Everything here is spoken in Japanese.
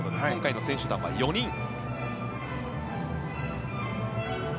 今回の選手団は４人。